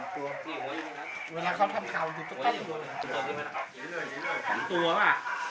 ๒ตัวว่ะ